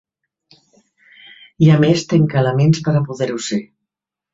I a més, tenc elements per a poder-ho ser.